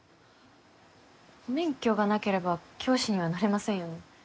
免許がなければ教師にはなれませんよね。